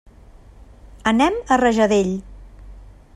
Anem a Rajadell.